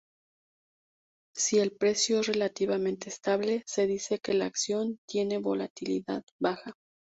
Si el precio es relativamente estable, se dice que la acción tiene "volatilidad baja".